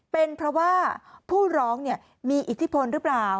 เป็นเพราะว่าผู้ร้องมีอิทธิพลหรือเปล่า